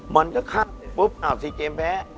มันก็ข้ามปุ๊บอ่าว๔เกมแพ้